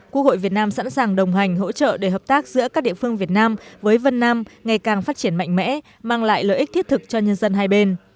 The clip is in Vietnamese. quốc hội việt nam sẵn sàng đồng hành hỗ trợ để hợp tác giữa các địa phương việt nam với vân nam ngày càng phát triển mạnh mẽ mang lại lợi ích thiết thực cho nhân dân hai bên